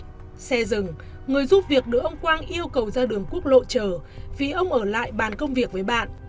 trên xe rừng người giúp việc đưa ông quang yêu cầu ra đường quốc lộ chờ vì ông ở lại bàn công việc với bạn